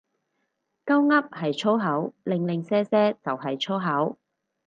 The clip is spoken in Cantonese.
鳩噏係粗口，零零舍舍就係粗口